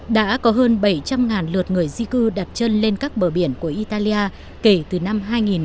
đã có hơn bảy trăm linh lượt người di cư đặt chân lên các bờ biển của italia kể từ năm hai nghìn một mươi